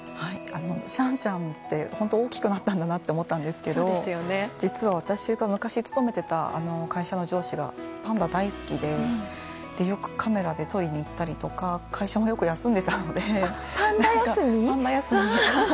シャンシャンって本当大きくなったんだなと思ったんですが実は私が昔勤めていた会社の上司がパンダが大好きでよくカメラで撮りに行ったりとか会社もよく休んでたのでパンダ休みで。